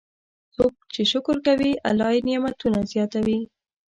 څوک چې شکر کوي، الله یې نعمتونه زیاتوي.